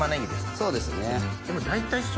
そうですね。